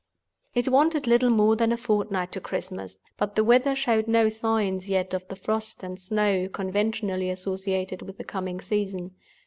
It wanted little more than a fortnight to Christmas; but the weather showed no signs yet of the frost and snow, conventionally associated with the coming season.